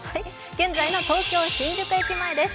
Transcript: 現在の東京・新宿駅前です